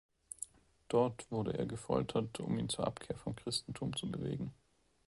Dort wurde er gefoltert, um ihn zur Abkehr vom Christentum zu bewegen.